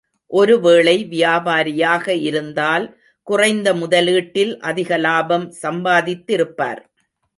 ஒரு வேளை வியாபாரியாக இருந்தால் குறைந்த முதலீட்டில் அதிக லாபம் சம்பாதித்திருப்பார்!